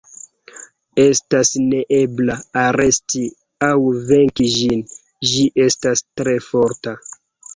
Estas neeble aresti aŭ venki ĝin, ĝi estas tre forta.